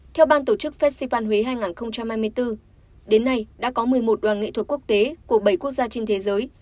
theo ban tổ chức festival huế hai nghìn hai mươi bốn đến nay đã có một mươi một đoàn nghệ thuật quốc tế của bảy quốc gia trên thế giới